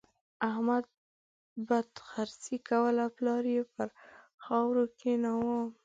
احمد بدخرڅي کوله؛ پلار يې پر خاورو کېناوو.